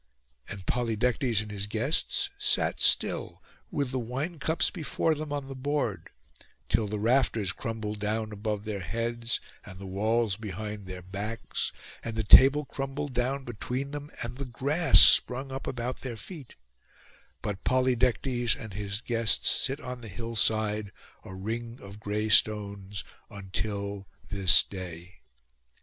And Polydectes and his guests sat still, with the wine cups before them on the board, till the rafters crumbled down above their heads, and the walls behind their backs, and the table crumbled down between them, and the grass sprung up about their feet: but Polydectes and his guests sit on the hillside, a ring of gray stones until this day.